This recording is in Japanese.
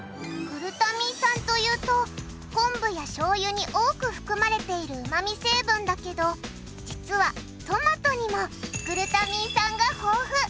グルタミン酸というと昆布や醤油に多く含まれているうまみ成分だけど実はトマトにもグルタミン酸が豊富。